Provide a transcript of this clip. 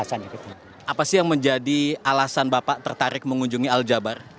apa sih yang menjadi alasan bapak tertarik mengunjungi al jabar